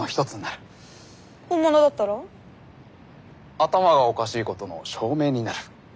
頭がおかしいことの証明になる。